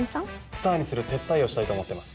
スターにする手伝いをしたいと思ってます。